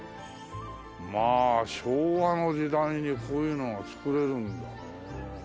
まあ昭和の時代にこういうのを造れるんだね。